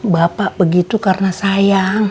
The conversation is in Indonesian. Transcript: bapak begitu karena sayang